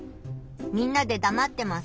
みんなでだまってます。